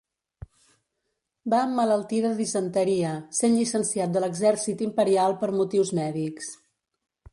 Va emmalaltir de disenteria, sent llicenciat de l'Exèrcit Imperial per motius mèdics.